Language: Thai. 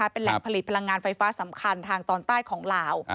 เป็นแหล่งผลิตพลังงานไฟฟ้าสำคัญทางตอนใต้ของลาว